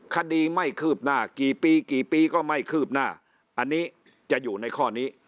คดีไม่คืบหน้ากี่ปีกี่ปีก็ไม่คืบหน้าอันนี้จะอยู่ในข้อนี้